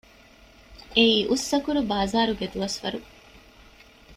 އެއީ އުއްސަކުރު ބާޒާރުގެ ދުވަސްވަރު